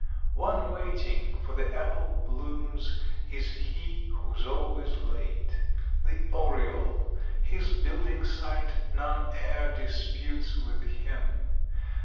One waiting for the apple blooms is he who's always late, The oriole: his building site none e'er disputes with him.